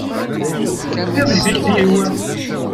D acu tenniḍ deg tikti-w?